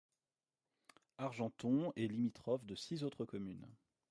Argenton est limitrophe de six autres communes.